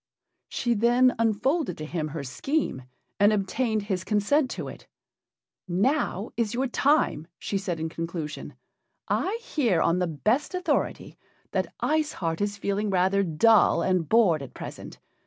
She then unfolded to him her scheme, and obtained his consent to it. "Now is your time," she said, in conclusion. "I hear on the best authority that Ice Heart is feeling rather dull and bored at present.